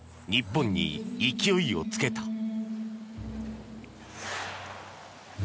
日本に勢いをつけた。